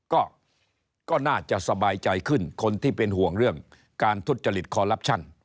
ก็ก็น่าจะสบายใจขึ้นคนที่เป็นห่วงเรื่องการทุจริตคอลลับชั่น